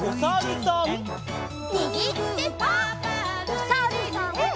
おさるさん。